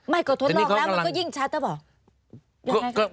ไม่ก็ทดลองแล้วมันก็ยิ่งชัดแล้วบอก